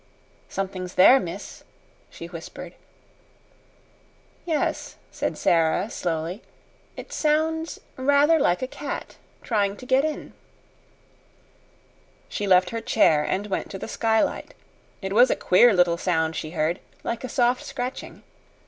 "Something's there, miss," she whispered. "Yes," said Sara, slowly. "It sounds rather like a cat trying to get in." She left her chair and went to the skylight. It was a queer little sound she heard like a soft scratching.